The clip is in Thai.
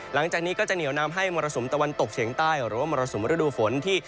หลังจากนี้ก็จะเหนียวนำให้มรสุมตะวันตกเฉียงใต้หรือว่ามรสุมฤดูฝนที่